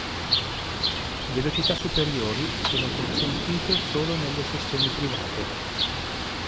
Velocità superiori sono consentite solo nelle sessioni private.